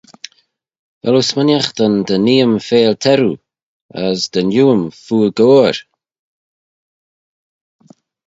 Vel oo smooinaghtyn dy nee-ym feill teirroo: as dy niu-ym fuill goair?